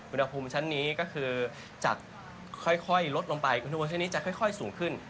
อุณหภูมิชั้นนี้ก็คือจะค่อยลดลงไปอุณหภูมิชนิดนี้จะค่อยสูงขึ้น